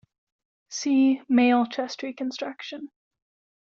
See Male Chest Reconstruction.